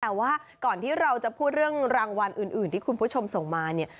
แต่ว่าก่อนที่เราจะพูดเรื่องรางวัลอื่นที่คุณผู้ชมส่งมาเนี่ย